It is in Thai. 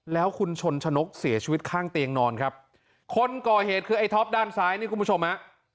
แล้วคุณชนชนกเสียชีวิตข้างเตียงนอนครับคนก่อเหตุคือไอ้ท็อปด้านซ้ายนี่คุณผู้ชมฮะ